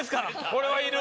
これはいる。